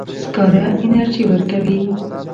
سکاره انرژي ورکوي.